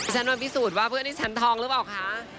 ฉันมาพิสูจน์ว่าเพื่อนที่ฉันทองหรือเปล่าคะ